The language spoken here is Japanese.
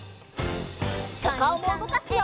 おかおもうごかすよ！